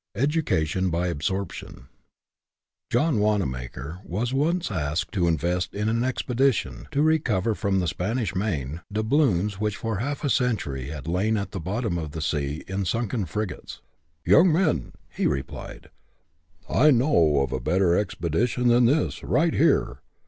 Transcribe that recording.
EDUCATION BY ABSORPTION OHN WANAMAKER was once asked to invest in an expedition to recover from the Spanish Main doubloons which for half a century had lain at the bottom of the sea in sunken frigates. " Young men/' he replied, " I know o'f a better expedition than this, right here.